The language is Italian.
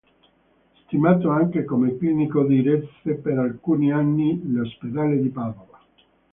Stimato anche come clinico diresse, per alcuni anni, l'ospedale di Padova.